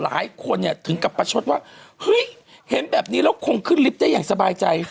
หลายคนเนี่ยถึงกับประชดว่าเฮ้ยเห็นแบบนี้แล้วคงขึ้นลิฟต์ได้อย่างสบายใจ